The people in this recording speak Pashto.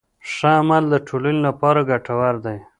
ښه عمل د ټولنې لپاره ګټور دی.